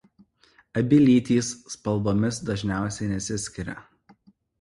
Abi lytys spalvomis dažniausiai nesiskiria.